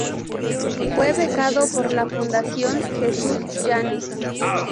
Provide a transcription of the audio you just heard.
Fue becado por la Fundación Jesús Yanes.